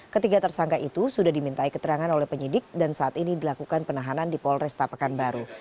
ketiga tersangka itu sudah dimintai keterangan oleh penyidik dan saat ini dilakukan penahanan di polresta pekanbaru